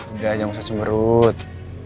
udah jangan usah cemberut